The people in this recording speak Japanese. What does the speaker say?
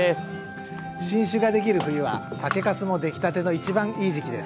新酒ができる冬は酒かすも出来たての一番いい時期です。